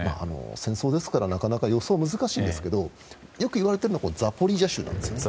戦争ですからなかなか予想は難しいんですがよくいわれているのはザポリージャ州です。